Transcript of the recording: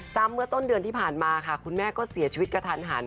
เมื่อต้นเดือนที่ผ่านมาค่ะคุณแม่ก็เสียชีวิตกระทันหัน